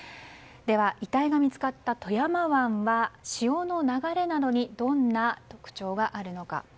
では、遺体が見つかった富山湾は潮の流れなどにどんな特徴があるのか。